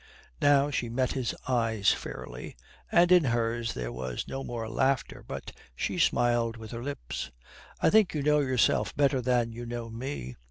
Now she met his eyes fairly, and in hers there was no more laughter, but she smiled with her lips: "I think you know yourself better than you know me."